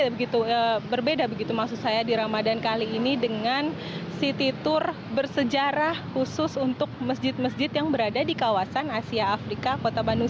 begitu berbeda begitu maksud saya di ramadan kali ini dengan city tour bersejarah khusus untuk masjid masjid yang berada di kawasan asia afrika kota bandung